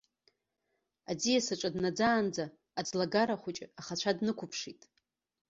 Аӡиас аҿы днаӡаанӡа аӡлагара хәыҷы ахацәа днықәыԥшит.